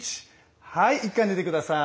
はい一回寝て下さい。